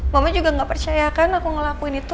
mama juga nggak percaya kan aku ngelakuin itu